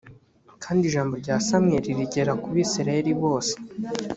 kandi ijambo rya samweli rigera ku bisirayeli bose